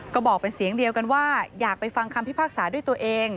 ก็บอกเป็นเสียงเดียวกันว่าอยากไปฟังคำพิพากษาด้วยตัวเอง